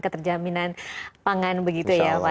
keterjaminan pangan begitu ya pak